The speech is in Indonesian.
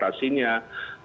bagaimana kita mengatasinya